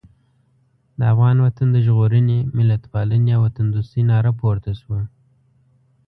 د افغان وطن د ژغورنې، ملتپالنې او وطندوستۍ ناره پورته شوه.